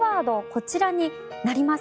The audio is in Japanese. こちらになります。